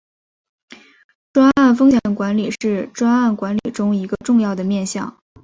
专案风险管理是专案管理中一个重要的面向。